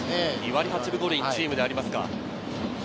２割８分５厘、チームでありますか。